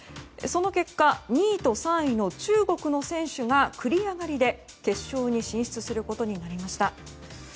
その結果２位と３位の中国の選手が繰り上がりで決勝に進出することになりました。